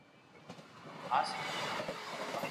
د اکثرو کورنيو جنجالونه د ښځو د وزګارتيا څخه وي